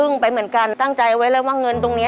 เอิ่งไปเหมือนกันตั้งใจไว้ว่าเงินตรงนี้